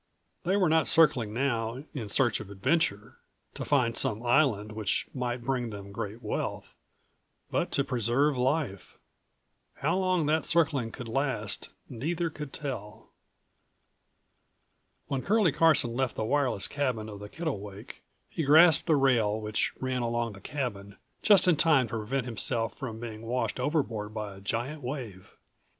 They196 were not circling now in search of adventure, to find some island which might bring them great wealth, but to preserve life. How long that circling could last, neither could tell. When Curlie Carson left the wireless cabin of the Kittlewake, he grasped a rail which ran along the cabin, just in time to prevent himself from being washed overboard by a giant wave.